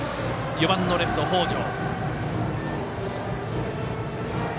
４番のレフト、北條。